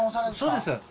そうです。